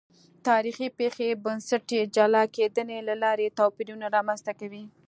تاریخي پېښې بنسټي جلا کېدنې له لارې توپیرونه رامنځته کوي.